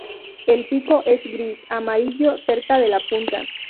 El pico es gris, amarillo cerca de la punta.